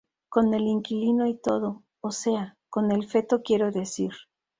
con el inquilino y todo, o sea, con el feto quiero decir.